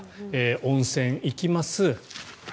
温泉に行きます。